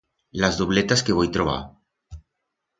Las dobletas que voi trobar.